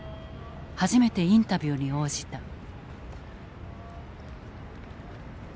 初めてインタビューに応じた。